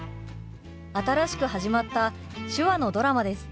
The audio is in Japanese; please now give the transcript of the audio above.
新しく始まった手話のドラマです。